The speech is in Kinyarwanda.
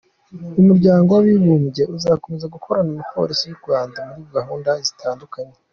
Umuryango w’abibumbye uzakomeza gukorana na Polisi y’u Rwanda muri gahunda zitandukanye".